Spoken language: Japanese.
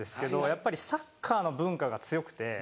やっぱりサッカーの文化が強くて。